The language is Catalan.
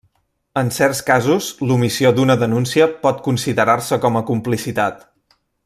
En certs casos, l'omissió d'una denúncia pot considerar-se com a complicitat.